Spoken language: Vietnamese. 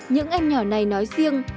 những em nhỏ này nói riêng